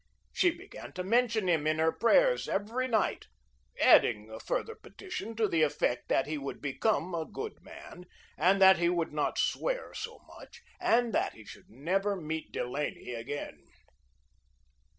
She began to mention him in her prayers every night, adding a further petition to the effect that he would become a good man, and that he should not swear so much, and that he should never meet Delaney again.